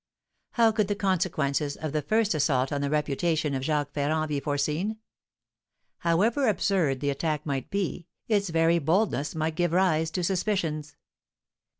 How could the consequences of the first assault on the reputation of Jacques Ferrand be foreseen? However absurd the attack might be, its very boldness might give rise to suspicions.